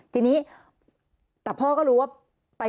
ทีนี้แต่พ่อก็รู้ว่า